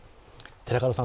寺門さん